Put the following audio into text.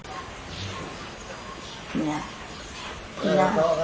เนี่ยเนี่ย